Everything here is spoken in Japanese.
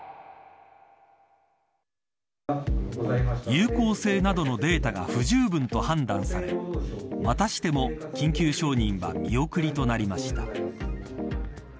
有効性などのデータが不十分と判断されまたしても緊急承認は見送りとなりました。